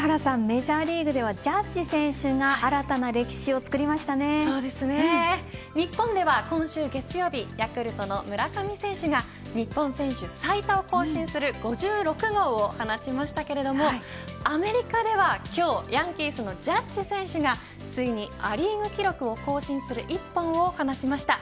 メジャーリーグはジャッジ選手が日本では今週月曜日ヤクルトの村上選手が日本選手最多を更新する５６号を放ちましたけれどもアメリカでは今日ヤンキースのジャッジ選手がついにア・リーグ記録を更新する１本を放ちました。